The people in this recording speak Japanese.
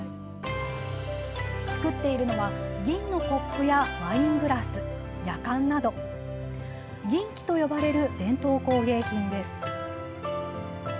作っているのは銀のコップやワイングラス、やかんなど銀器と呼ばれる伝統工芸品です。